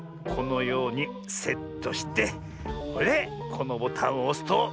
このようにセットしてこのボタンをおすと。